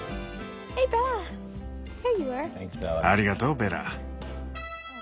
ありがとうベラ。